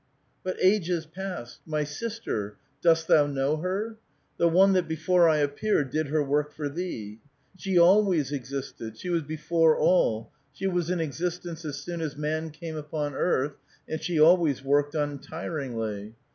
"But ages past: my sister — dost thou know her? The one that before I appeared, did her work for thee. She always existed, she was before all, she was in existence as soon as man came upon earth, and she always worked un tiringly.